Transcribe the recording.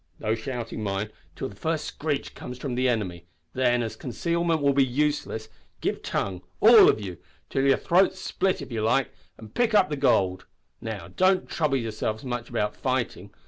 No shouting, mind, till the first screech comes from the enemy; then, as concealment will be useless, give tongue, all of you, till your throats split if you like, an' pick up the gold. Now, don't trouble yourselves much about fighting.